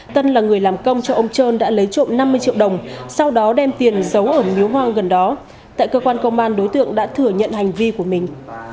tân là người làm công cho ông trơn đã lấy trộm năm mươi triệu đồng sau đó đem tiền giấu ở miếu hoang gần đó tại cơ quan công an đối tượng đã thừa nhận hành vi của mình